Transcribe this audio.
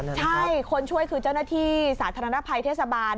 ใช่คนช่วยคือเจ้าหน้าที่สาธารณภัยเทศบาล